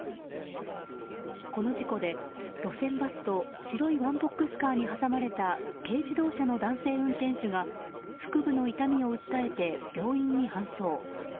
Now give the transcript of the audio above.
この事故で、路線バスと白いワンボックスカーに挟まれた軽自動車の男性運転手が腹部の痛みを訴えて病院に搬送。